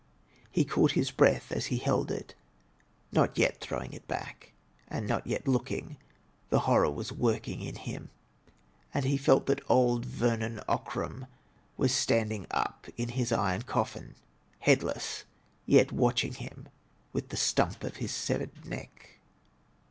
He caught his breath as he held it, not yet throwing it back, and not yet looking. The horror was working in him, and he felt that old Vernon Ockram was standing up in his iron cofl&n, headless, yet watching him with the stump of his severed neck.